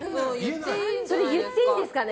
言っていいんですかね？